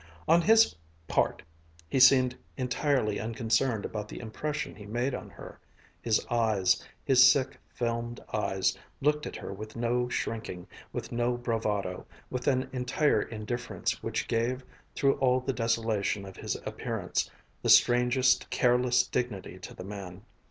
On his part he seemed entirely unconcerned about the impression he made on her. His eyes, his sick, filmed eyes, looked at her with no shrinking, with no bravado, with an entire indifference which gave, through all the desolation of his appearance, the strangest, careless dignity to the man.